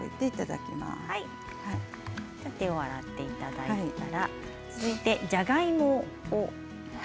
手を洗っていただいたらじゃがいもを。